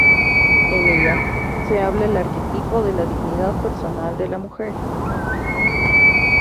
En ella se halla el arquetipo de la dignidad personal de la mujer.